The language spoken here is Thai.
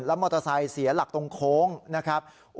มอเตอร์ไซค์เสียหลักตรงโค้งนะครับ